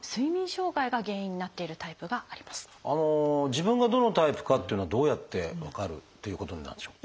自分がどのタイプかっていうのはどうやって分かるということになるんでしょう？